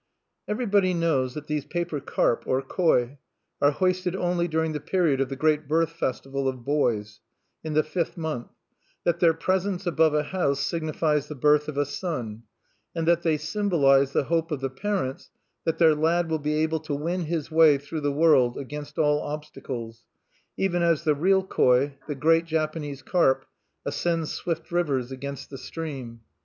Everybody knows that these paper carp, or koi, are hoisted only during the period of the great birth festival of boys, in the fifth month; that their presence above a house signifies the birth of a son; and that they symbolize the hope of the parents that their lad will be able to win his way through the world against all obstacles, even as the real koi, the great Japanese carp, ascends swift rivers against the stream.